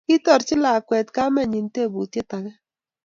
Kitorchi lakwet kamenyi tebutiet age